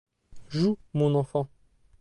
Joue, mon enfant.